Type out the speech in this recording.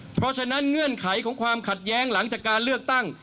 เพราะฉะนั้นเงื่อนไขของความขัดแย้งหลังจากการเลือกตั้ง